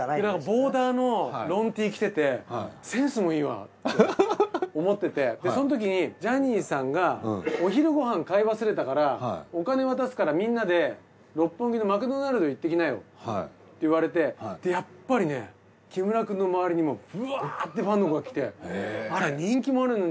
なんかボーダーのロンＴ着ててセンスもいいわって思っててそのときにジャニーさんがお昼ごはん買い忘れたからお金渡すからみんなで六本木のマクドナルド行ってきなよって言われてでやっぱり木村くんの周りにもうブワーッてファンの子が来て。